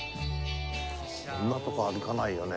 こんなとこ歩かないよね